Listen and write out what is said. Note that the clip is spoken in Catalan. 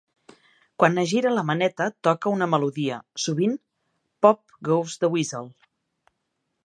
Quan es gira la maneta, toca una melodia, sovint "Pop Goes the Weasel".